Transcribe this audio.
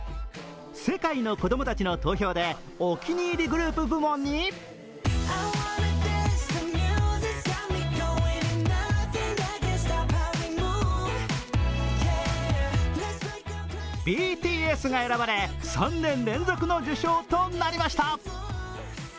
世界の子供たちの投票でお気に入りグループ部門にＢＴＳが選ばれ、３年連続の受賞となりました。